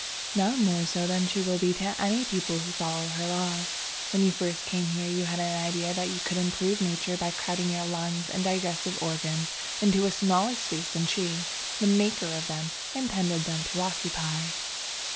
"Not more so than she will be to any people who follow her laws. When you first came here you had an idea that you could improve nature by crowding your lungs and digestive organs into a smaller space than she, the maker of them, intended them to occupy.